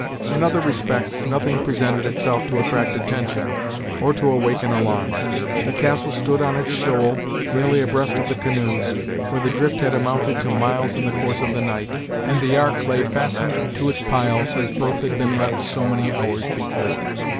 In other respects, nothing presented itself to attract attention, or to awaken alarm. The castle stood on its shoal, nearly abreast of the canoes, for the drift had amounted to miles in the course of the night, and the ark lay fastened to its piles, as both had been left so many hours before.